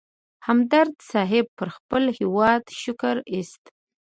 همدرد صیب پر خپل هېواد شکر اېست.